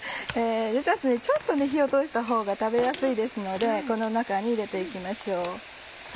レタスちょっと火を通したほうが食べやすいですのでこの中に入れて行きましょう。